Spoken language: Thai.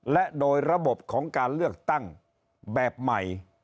และโดยระบบของการเลือกตั้งแบบใหม่